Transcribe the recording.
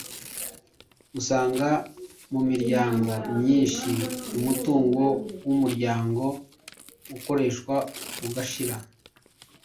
Usanga mu miryango myinshi umutungo w’umuryango ukoreshwa ugashira.